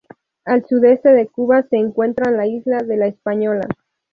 Al sudeste de Cuba, se encuentra la isla de La Española.